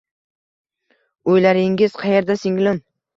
Uylaringiz qayerda, singlim